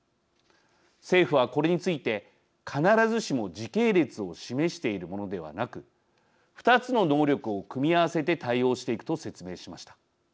政府はこれについて必ずしも時系列を示しているものではなく２つの能力を組み合わせて対応していくと説明しました。